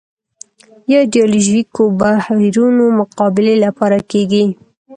یا ایدیالوژیکو بهیرونو مقابلې لپاره کېږي